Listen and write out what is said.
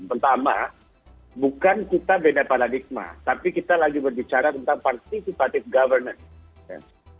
pertama bukan kita beda paradigma tapi kita lagi berbicara tentang participative governance